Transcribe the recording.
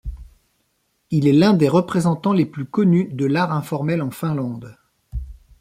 Il est l'un des représentants les plus connus de l' art informel en Finlande.